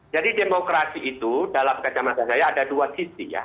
jadi demokrasi itu dalam kacamata saya ada dua sisi ya